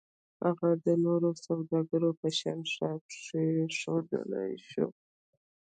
هغه د نورو سوداګرو په شان ښار پرېښودای شو.